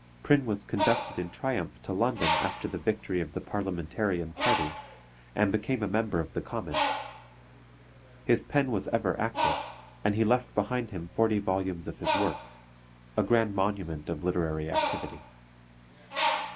Prynne was conducted in triumph to London after the victory of the Parliamentarian party, and became a member of the Commons. His pen was ever active, and he left behind him forty volumes of his works, a grand monument of literary activity.